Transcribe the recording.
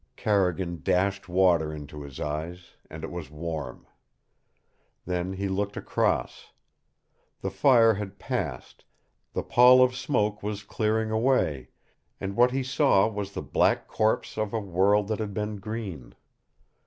Carrigan dashed water into his eyes, and it was warm. Then he looked across. The fire had passed, the pall of smoke was clearing away, and what he saw was the black corpse of a world that had been green.